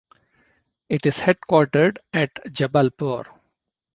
It is headquartered at Jabalpur.